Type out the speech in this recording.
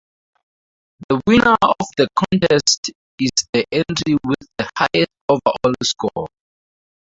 The winner of the contest is the entry with the highest overall score.